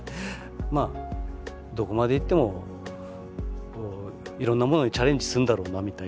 まあどこまでいってもいろんなものにチャレンジすんだろうなみたいな。